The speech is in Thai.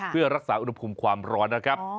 เพื่อรักษาอุณหภูมิความร้อนนะครับ